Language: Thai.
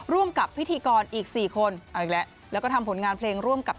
ร่วมกับพิธีกรอีก๔คนเอาอีกแล้วแล้วก็ทำผลงานเพลงร่วมกับ